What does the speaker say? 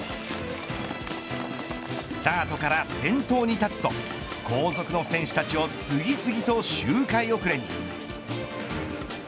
スタートから先頭に立つと後続の選手たちを次々と周回遅れに。